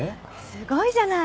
すごいじゃない！